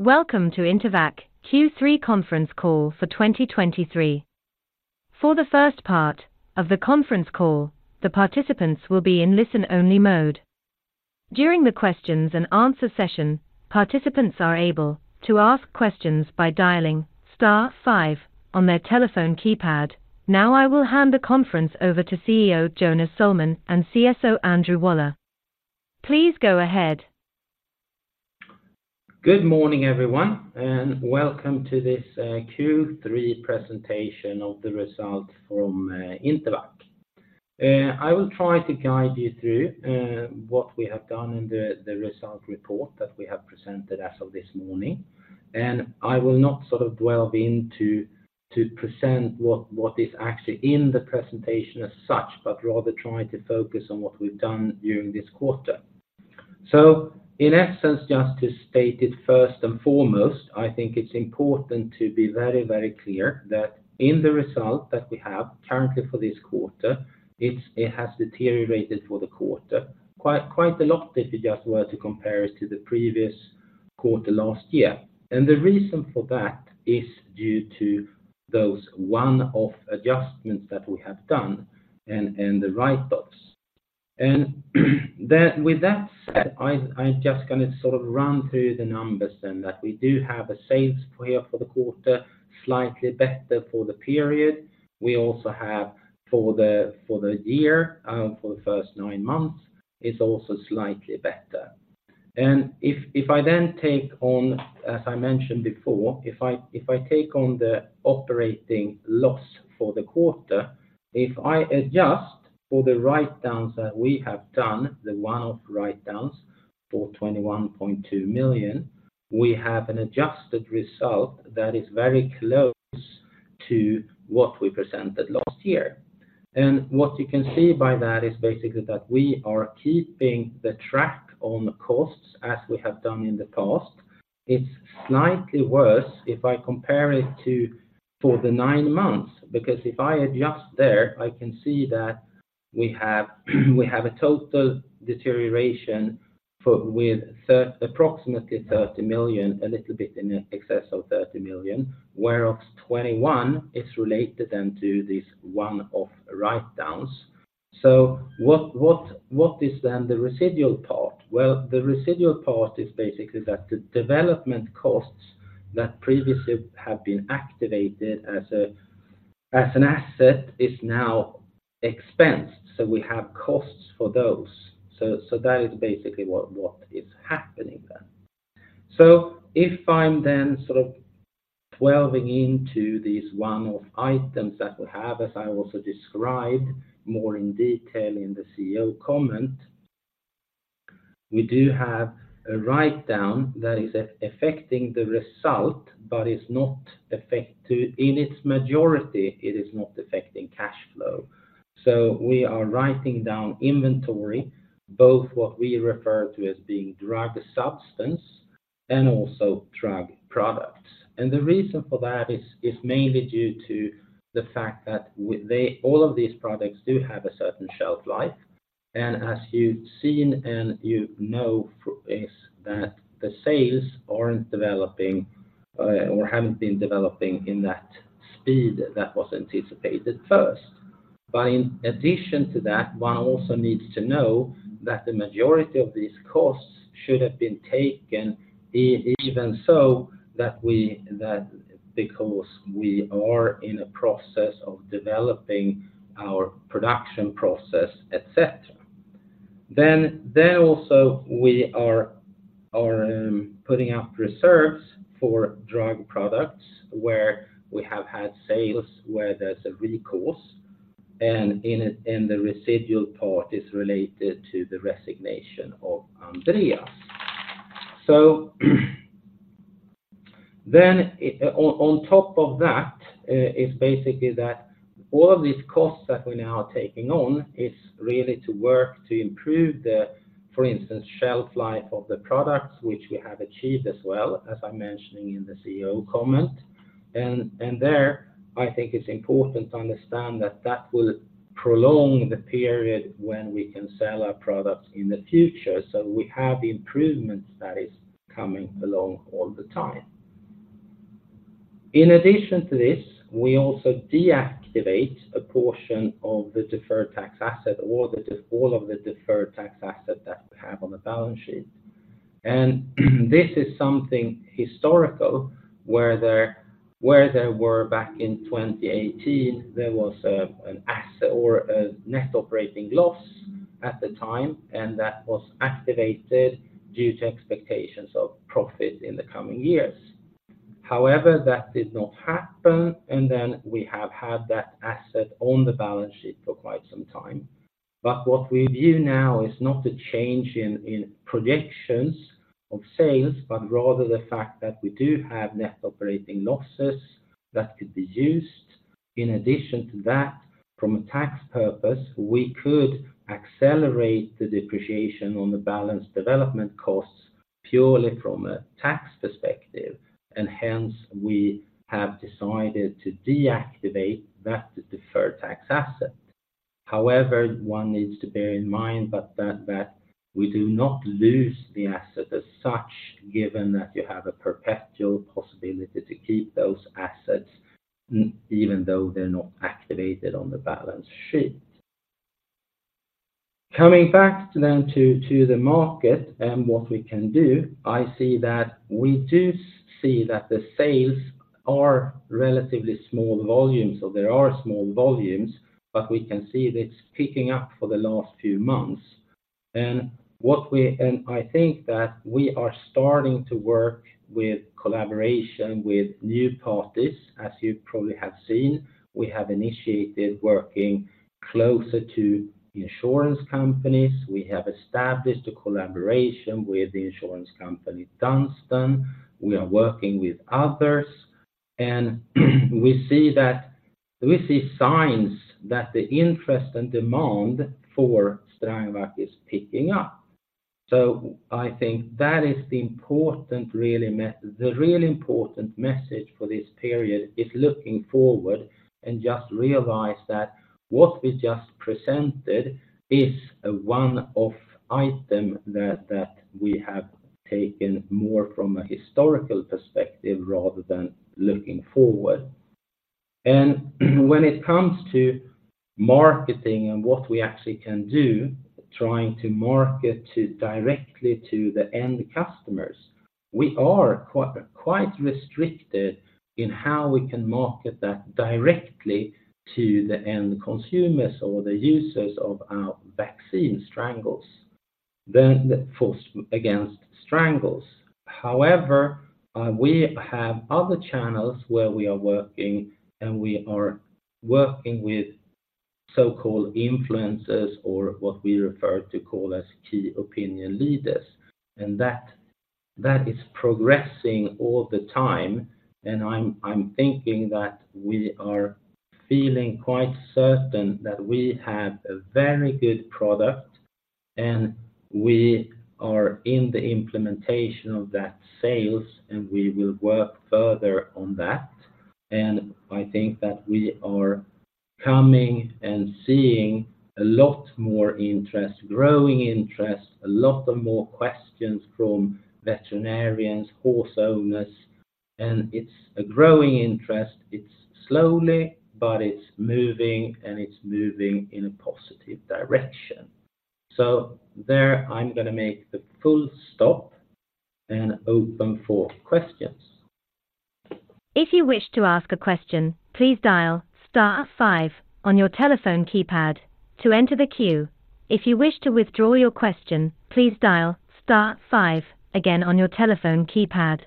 Welcome to Intervacc Q3 conference call for 2023. For the first part of the conference call, the participants will be in listen-only mode. During the questions and answer session, participants are able to ask questions by dialing star five on their telephone keypad. Now, I will hand the conference over to CEO Jonas Sohlman and CSO Andrew Waller. Please go ahead. Good morning, everyone, and welcome to this Q3 presentation of the results from Intervacc. I will try to guide you through what we have done in the result report that we have presented as of this morning. And I will not sort of delve into to present what is actually in the presentation as such, but rather try to focus on what we've done during this quarter. So in essence, just to state it first and foremost, I think it's important to be very, very clear that in the result that we have currently for this quarter, it has deteriorated for the quarter, quite, quite a lot if you just were to compare it to the previous quarter last year. And the reason for that is due to those one-off adjustments that we have done and the write-offs. With that said, I'm just gonna sort of run through the numbers then, that we do have a sales for here for the quarter, slightly better for the period. We also have for the year, for the first nine months, is also slightly better. And if I then take on, as I mentioned before, the operating loss for the quarter, if I adjust for the write-downs that we have done, the one-off write-downs for 21.2 million, we have an adjusted result that is very close to what we presented last year. And what you can see by that is basically that we are keeping the track on costs as we have done in the past. It's slightly worse if I compare it to, for the nine months, because if I adjust there, I can see that we have a total deterioration for with approximately 30 million, a little bit in excess of 30 million, whereas 21 is related then to this one-off write-downs. So what is then the residual part? Well, the residual part is basically that the development costs that previously have been activated as an asset is now expensed, so we have costs for those. So that is basically what is happening then. So if I'm then sort of delving into these one-off items that we have, as I also described more in detail in the CEO comment, we do have a write-down that is affecting the result, but is not a. In its majority, it is not affecting cash flow. So we are writing down inventory, both what we refer to as being drug substance and also drug products. And the reason for that is mainly due to the fact that all of these products do have a certain shelf life. And as you've seen and you know, is that the sales aren't developing or haven't been developing in that speed that was anticipated first. But in addition to that, one also needs to know that the majority of these costs should have been taken even so, because we are in a process of developing our production process, et cetera. Then also we are putting up reserves for drug products where we have had sales, where there's a recourse, and the residual part is related to the resignation of Andreas. So, then, on top of that, is basically that all of these costs that we now are taking on is really to work to improve the, for instance, shelf life of the products, which we have achieved as well, as I'm mentioning in the CEO comment. And there, I think it's important to understand that that will prolong the period when we can sell our products in the future. So we have improvements that is coming along all the time. In addition to this, we also deactivate a portion of the deferred tax asset, or all of the deferred tax asset that we have on the balance sheet. This is something historical, where there were back in 2018, there was an asset or a net operating loss at the time, and that was activated due to expectations of profit in the coming years. However, that did not happen, and then we have had that asset on the balance sheet for quite some time. But what we view now is not a change in projections of sales, but rather the fact that we do have net operating losses that could be used. In addition to that, from a tax purpose, we could accelerate the depreciation on the balanced development costs purely from a tax perspective, and hence, we have decided to deactivate that deferred tax asset. However, one needs to bear in mind that we do not lose the asset as such, given that you have a perpetual possibility to keep those assets, even though they're not activated on the balance sheet. Coming back to the market and what we can do, I see that we do see that the sales are relatively small volumes, so there are small volumes, but we can see it's picking up for the last few months. And I think that we are starting to work with collaboration with new parties. As you probably have seen, we have initiated working closer to insurance companies. We have established a collaboration with the insurance company, Dina Försäkringar. We are working with others, and we see signs that the interest and demand for Strangvac is picking up. So I think that is the really important message for this period is looking forward and just realize that what we just presented is a one-off item that we have taken more from a historical perspective rather than looking forward. And when it comes to marketing and what we actually can do, trying to market directly to the end customers, we are quite, quite restricted in how we can market that directly to the end consumers or the users of our Strangvac, the vaccine against strangles. However, we have other channels where we are working, and we are working with so-called influencers or what we refer to as key opinion leaders, and that is progressing all the time. I'm thinking that we are feeling quite certain that we have a very good product, and we are in the implementation of that sales, and we will work further on that. I think that we are coming and seeing a lot more interest, growing interest, a lot more questions from veterinarians, horse owners, and it's a growing interest. It's slowly, but it's moving, and it's moving in a positive direction. So there, I'm gonna make the full stop and open for questions. If you wish to ask a question, please dial star five on your telephone keypad to enter the queue. If you wish to withdraw your question, please dial star five again on your telephone keypad.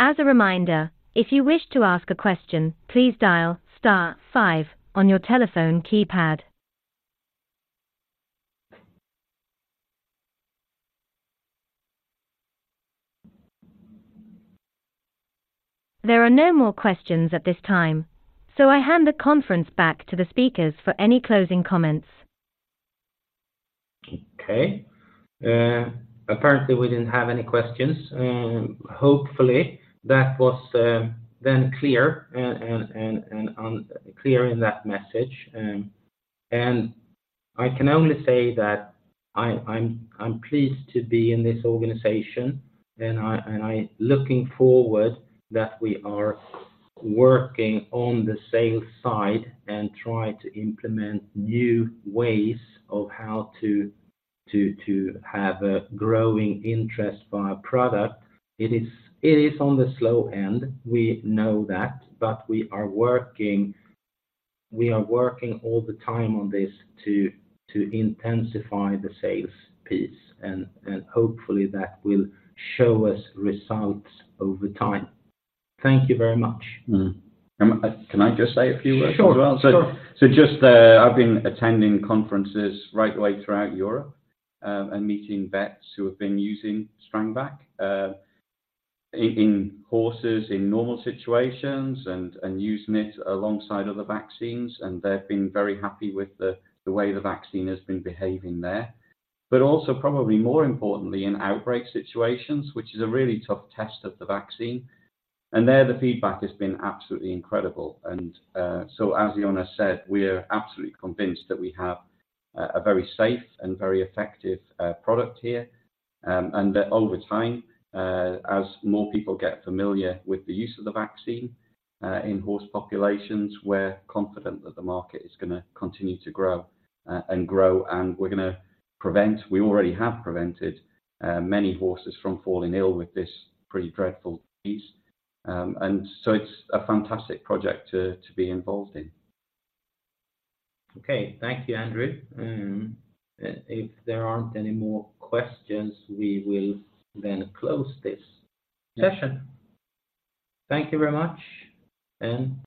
As a reminder, if you wish to ask a question, please dial star five on your telephone keypad. There are no more questions at this time, so I hand the conference back to the speakers for any closing comments. Okay. Apparently, we didn't have any questions. Hopefully, that was then clear, and clear in that message. And I can only say that I'm pleased to be in this organization, and I'm looking forward that we are working on the sales side and try to implement new ways of how to have a growing interest for our product. It is on the slow end, we know that, but we are working all the time on this to intensify the sales piece, and hopefully, that will show us results over time. Thank you very much. Can I just say a few words as well? Sure. So just, I've been attending conferences right the way throughout Europe, and meeting vets who have been using Strangvac in horses in normal situations, and using it alongside other vaccines, and they've been very happy with the way the vaccine has been behaving there, but also probably more importantly, in outbreak situations, which is a really tough test of the vaccine, and there, the feedback has been absolutely incredible. So as Jonas said, we're absolutely convinced that we have a very safe and very effective product here. And that over time, as more people get familiar with the use of the vaccine in horse populations, we're confident that the market is gonna continue to grow, and grow, and we're gonna prevent... We already have prevented many horses from falling ill with this pretty dreadful disease. And so it's a fantastic project to, to be involved in. Okay. Thank you, Andrew. If there aren't any more questions, we will then close this session. Thank you very much, and bye.